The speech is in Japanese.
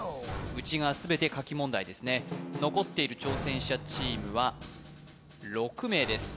内側全て書き問題ですね残っている挑戦者チームは６名です